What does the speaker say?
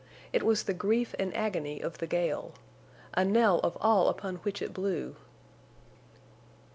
It was the grief and agony of the gale. A knell of all upon which it blew!